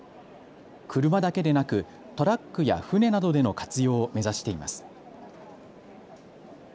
車だけでなくトラックや船などでの活用を目指しています。